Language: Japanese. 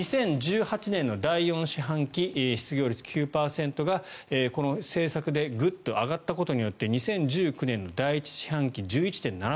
２０１８年の第４四半期失業率９％がこの政策でグッと上がったことによって２０１９年の第１四半期１１．７％。